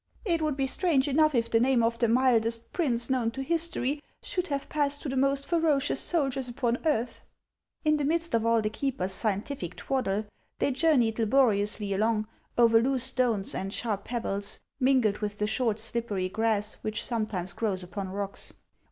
It would be strange enough if the name of the mildest prince known to history should have passed to the most ferocious, soldiers upon earth." Tn the midst of all the keeper's scientific twaddle, they HANS OF ICELAND. 235 journeyed laboriously along, over loose stones and sharp pebbles, mingled with the short, slippery grass which sometimes grows upon rocks.